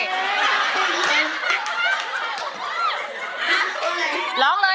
โทรหาคนรู้จัก